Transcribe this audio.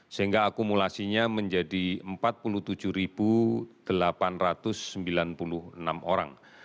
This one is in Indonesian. sehingga akumulasinya menjadi empat puluh tujuh delapan ratus sembilan puluh enam orang